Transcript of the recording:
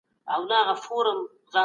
د صنعتي ټولنو راتلونکی به څنګه وي؟